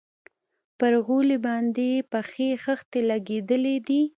پر غولي باندې يې پخې خښتې لگېدلي دي.